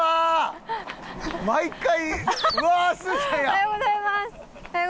おはようございます。